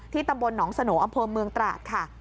ที่ตำบลหนองสโหนอำพมเมืองตราดค่ะ